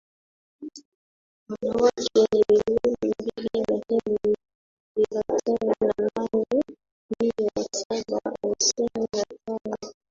wanawake ni milioni mbili laki mbili thelathini na nane mia saba hamsini na tano